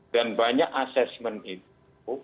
dan banyak assessment itu